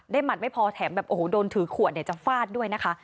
ได้หมัดไม่พอแถมโดนถือขวดจะฟาดด้วยนะคะ